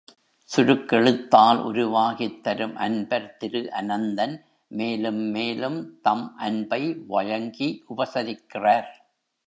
சுருக்கெழுத்தால் உருவாக்கித் தரும் அன்பர் திருஅனந்தன் மேலும் மேலும் தம் அன்பை வழங்கி உபசரிக்கிறார்.